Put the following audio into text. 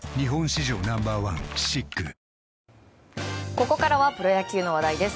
ここからはプロ野球の話題です。